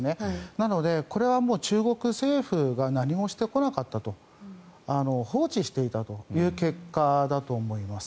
なので、これは中国政府が何もしてこなかったと。放置していたという結果だと思います。